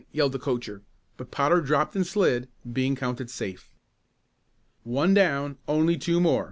yelled the coacher, but Potter dropped and slid, being counted safe. "One down, only two more!"